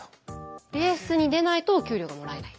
レースに出ないとお給料がもらえない。